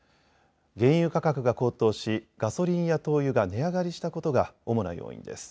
原油価格が高騰しガソリンや灯油が値上がりしたことが主な要因です。